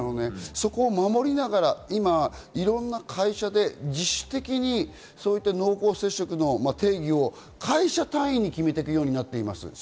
そこを守りながら、いろんな会社で自主的に濃厚接触者の会社単位で決めているようになっています。